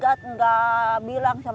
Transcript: katanya cuma bilang mau kerja